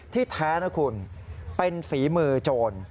แท้นะคุณเป็นฝีมือโจร